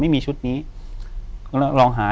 อยู่ที่แม่ศรีวิรัยิลครับ